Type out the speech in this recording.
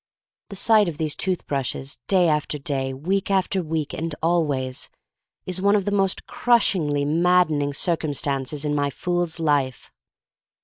The sight of these tooth brushes day after day, week after week, and always, is one of the most crushingly maddening circum stances in my fool's life.